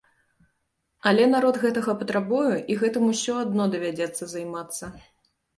Але народ гэтага патрабуе, і гэтым усё адно давядзецца займацца.